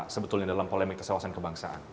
sebetulnya dalam polemik tes wawasan kebangsaan